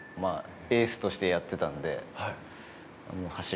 エースとしてやってたんで柱だなと。